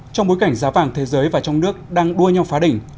trong bối cảnh giá vàng thế giới và trong nước đang đua nhau phá đỉnh